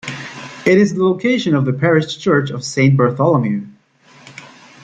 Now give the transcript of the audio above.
It is the location of the parish church of Saint Bartholomew.